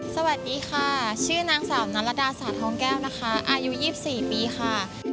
สวัสดีค่ะชื่อนางสาวนรดาสาทองแก้วนะคะอายุ๒๔ปีค่ะ